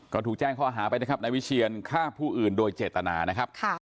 ก็ถูกแจ้งข้อหาไปนะครับนายวิเชียนฆ่าผู้อื่นโดยเจตนานะครับ